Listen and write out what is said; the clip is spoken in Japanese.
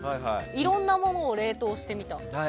色んなものを冷凍してみた。